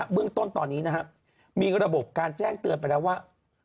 เรื่องต้นตอนนี้นะครับมีระบบการแจ้งเตือนไปแล้วว่า